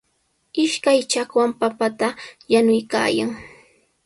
Ishkay chakwan papata yanuykaayan.